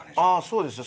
そうですね。